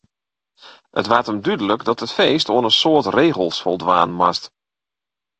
It waard him dúdlik dat it feest oan in soad regels foldwaan moast.